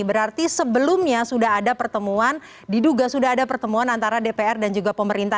berarti sebelumnya sudah ada pertemuan diduga sudah ada pertemuan antara dpr dan juga pemerintah